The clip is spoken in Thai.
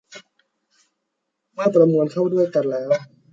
เมื่อประมวลเข้าด้วยกันแล้ว